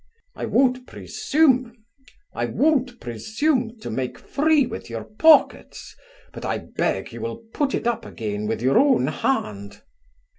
I won't presume to make free with your pockets, but I beg you will put it up again with your own hand.